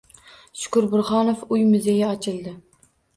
Shukur Burhonov uy-muzeyi ochildi